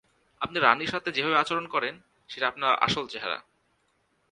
আপনি রাণীর সাথে যেভাবে আচরণ করেন, সেটা আপনার আসল চেহারা।